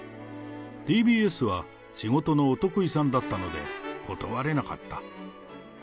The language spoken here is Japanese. ＴＢＳは仕事のお得意さんだったので、断れなかった。